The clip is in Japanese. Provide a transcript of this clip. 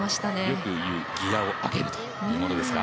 よくいうギアを上げるというものですね。